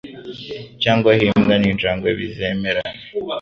Cyangwa aho imbwa ninjangwe bizemerana